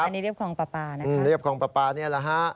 อันนี้เรียบคลองปลาปลานะคะเรียบคลองปลาปลานี่แหละฮะ